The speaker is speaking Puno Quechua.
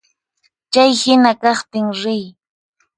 Chay hina kaqtin riy.